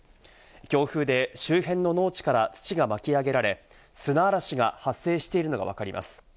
強風で周辺の農地から土が巻き上げられ、砂嵐が発生しているのが分かります。